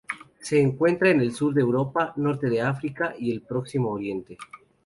Se encuentra en el sur de Europa, Norte de África y el Próximo Oriente.